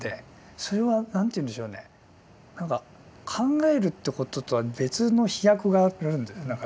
それは何ていうんでしょうね何か考えるってこととは別の飛躍があるんです何かね。